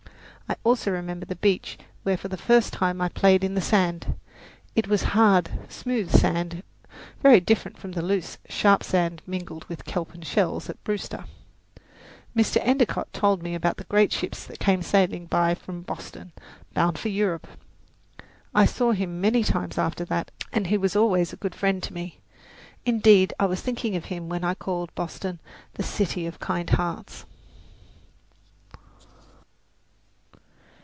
I also remember the beach, where for the first time I played in the sand. It was hard, smooth sand, very different from the loose, sharp sand, mingled with kelp and shells, at Brewster. Mr. Endicott told me about the great ships that came sailing by from Boston, bound for Europe. I saw him many times after that, and he was always a good friend to me; indeed, I was thinking of him when I called Boston "the City of Kind Hearts."